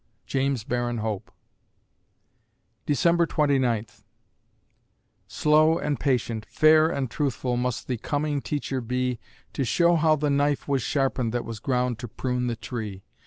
JAMES BARRON HOPE December Twenty Ninth Slow and patient, fair and truthful must the coming teacher be To show how the knife was sharpened that was ground to prune the tree.